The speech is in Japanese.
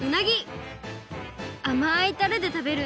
あまいタレでたべる